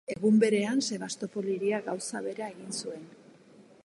Egun berean, Sebastopol hiria gauza bera egin zuen.